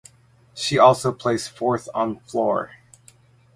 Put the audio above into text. She also placed fourth on floor.